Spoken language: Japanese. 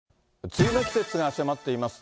梅雨の季節が迫っています。